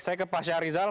saya ke pak syarizal